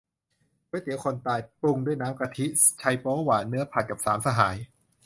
ก๋วยเตี๋ยวคนตาย ปรุงด้วยน้ำกะทิ ไชโป๊วหวาน เนื้อผัด กับสามสหาย